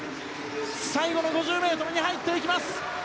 最後の５０ｍに入っていきます。